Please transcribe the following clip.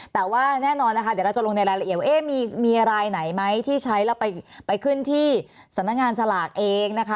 แต่ว่าแน่นอนนะคะเดี๋ยวเราจะลงในรายละเอียดว่ามีรายไหนไหมที่ใช้แล้วไปขึ้นที่สำนักงานสลากเองนะคะ